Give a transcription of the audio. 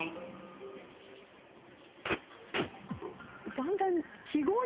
だんだん。